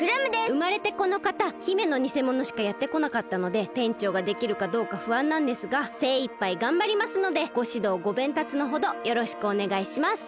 うまれてこのかた姫のにせものしかやってこなかったので店長ができるかどうかふあんなんですがせいいっぱいがんばりますのでごしどうごべんたつのほどよろしくおねがいします。